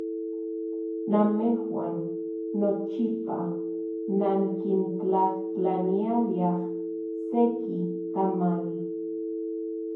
Namejuan nochipa nankintlajtlaniliaj seki tamali.